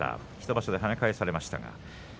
１場所で跳ね返されました。